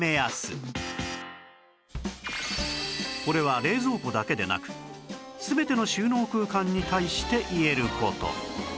これは冷蔵庫だけでなく全ての収納空間に対して言える事